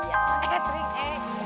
ya trik eh